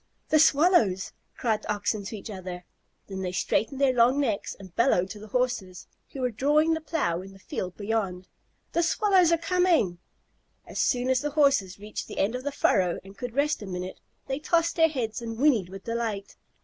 "The Swallows!" cried the Oxen to each other. Then they straightened their strong necks and bellowed to the Horses, who were drawing the plow in the field beyond, "The Swallows are coming!" As soon as the Horses reached the end of the furrow and could rest a minute, they tossed their heads and whinnied with delight.